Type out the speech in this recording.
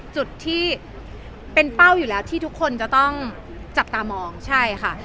จุดที่เป็นเป้าอยู่แล้วที่ทุกคนจะต้องจับตามองใช่ค่ะ